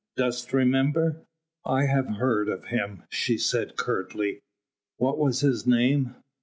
Dost remember?" "I have heard of him," she said curtly. "What was his name?"